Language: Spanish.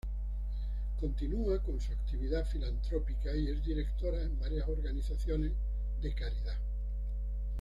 Continúa con su actividad filantrópica y es directora en varias organizaciones de caridad.